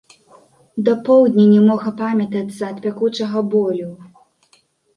Да поўдня не мог апамятацца ад пякучага болю.